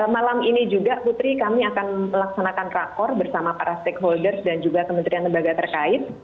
malam ini juga putri kami akan melaksanakan rakor bersama para stakeholders dan juga kementerian lembaga terkait